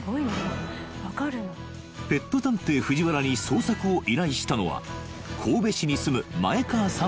ペット探偵・藤原に捜索を依頼したのは神戸市に住む前川さん